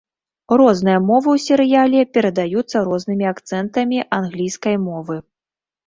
Розныя мовы ў серыяле перадаюцца рознымі акцэнтамі англійскай мовы.